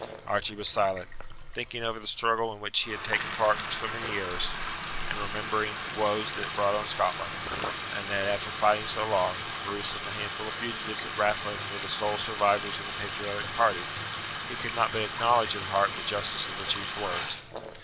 Archie was silent. Thinking over the struggle in which he had taken part for so many years, and remembering the woes that it had brought on Scotland, and that, after fighting so long, Bruce and the handful of fugitives at Rathlin were the sole survivors of the patriotic party, he could not but acknowledge at heart the justice of the chiefs words.